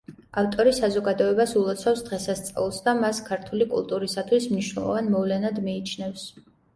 ავტორი საზოგადოებას ულოცავს დღესასწაულს და მას ქართული კულტურისათვის მნიშვნელოვან მოვლენად მიიჩნევს.